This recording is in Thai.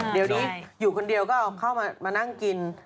เดี๋ยวนี้อยู่คนเดียวก็เอาเข้ามานั่งกิน